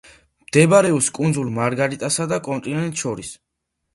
მდებარეობს კუნძულ მარგარიტასა და კონტინენტს შორის.